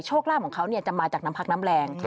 ลาบของเขาจะมาจากน้ำพักน้ำแรง